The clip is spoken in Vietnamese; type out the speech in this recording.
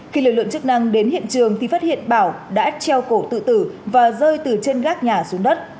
khi lực lượng chức năng đến hiện trường thì phát hiện bảo đã treo cổ tự tử và rơi từ chân gác nhà xuống đất